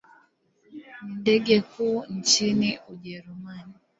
Ni ndege kuu nchini Ujerumani.